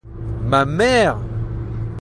Ma mère!